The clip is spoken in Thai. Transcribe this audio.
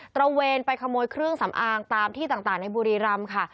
ระเวนไปขโมยเครื่องสำอางตามที่ต่างในบุรีรำค่ะ